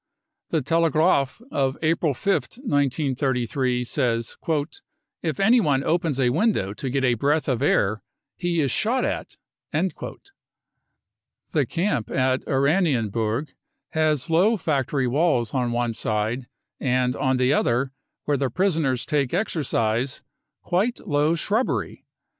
The Telegraaf of April 5th, 1933, says : 44 If anyone opens a window to get a breath of air, he is shot at." The camp at Oranienburg has low factory walls on one side, and on the other, where the prisoners take exercise, quite low shrubbery.